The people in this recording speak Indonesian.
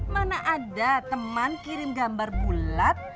mana ada teman kirim gambar bulat